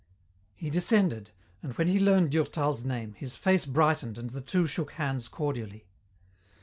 He descended, and when he learned Durtal's name his face brightened and the two shook hands cordially.